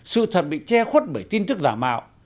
sự thật bị che khuất bởi tin tức giả mạo